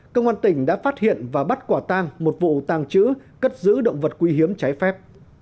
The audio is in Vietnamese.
công an tỉnh đã phát hiện và bắt quả tang một vụ tàng trữ cất giữ động vật quý hiếm trái phép